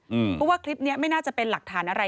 เพราะว่าคลิปนี้ไม่น่าจะเป็นหลักฐานอะไร